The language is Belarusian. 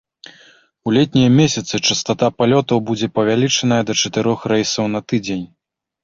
У летнія месяцы частата палётаў будзе павялічаная да чатырох рэйсаў на тыдзень.